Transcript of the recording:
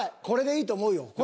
これでいいと思うよ。